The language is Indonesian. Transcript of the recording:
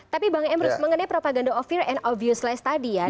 tapi bang emrus mengenai propaganda of fear and obvious lies tadi ya